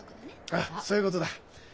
ああそういうことだ。